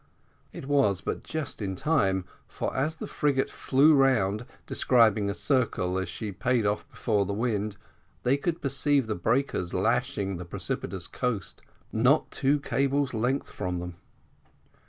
It was but just in time, for, as the frigate flew round, describing a circle, as she payed off before the wind, they could perceive the breakers lashing the precipitous coast not two cables' length from them.